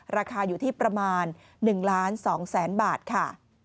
ราคาอยู่ที่ประมาณ๑๒๐๐๐๐๐บาทค่ะ